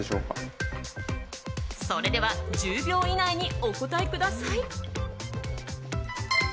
それでは１０秒以内にお答えください。